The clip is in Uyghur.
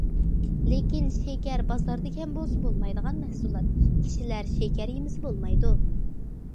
لېكىن شېكەر بازاردا كەم بولسا بولمايدىغان مەھسۇلات، كىشىلەر شېكەر يېمىسە بولمايدۇ.